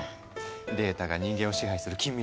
データが人間を支配する近未来